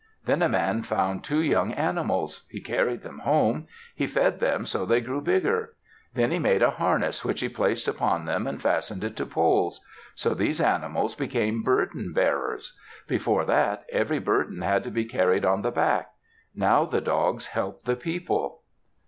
Then a man found two young animals. He carried them home. He fed them so they grew bigger. Then he made a harness which he placed upon them and fastened it to poles. So these animals became burden bearers. Before that, every burden had to be carried on the back. Now the dogs helped the people.